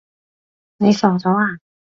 你傻咗呀？